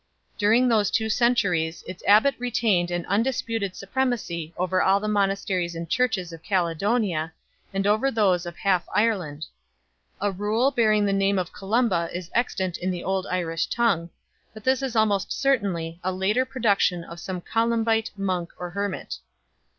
During those two centuries its abbat retained an undisputed supremacy over all the monasteries and churches of Caledonia, and over those of half Ireland. A Rule bearing the name of Columba is extant in the old Irish tongue 1 , but this is almost certainly a later production of some Columbite monk or hermit.